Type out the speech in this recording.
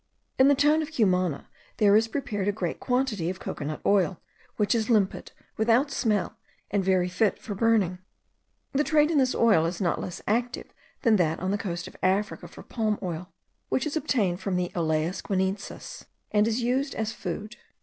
In the town of Cumana there is prepared a great quantity of cocoa nut oil, which is limpid, without smell, and very fit for burning. The trade in this oil is not less active than that on the coast of Africa for palm oil, which is obtained from the Elais guineensis, and is used as food.